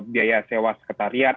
biaya sewa sekretariat